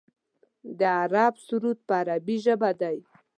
د عرب سرود په عربۍ ژبه دی.